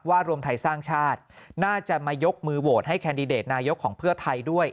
รวมไทยสร้างชาติน่าจะมายกมือโหวตให้แคนดิเดตนายกของเพื่อไทยด้วย